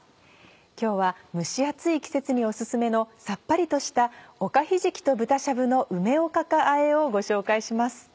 今日は蒸し暑い季節におすすめのさっぱりとした「おかひじきと豚しゃぶの梅おかかあえ」をご紹介します。